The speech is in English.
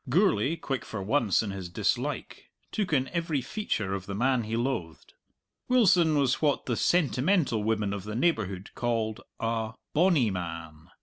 Gourlay, quick for once in his dislike, took in every feature of the man he loathed. Wilson was what the sentimental women of the neighbourhood called a "bonny man."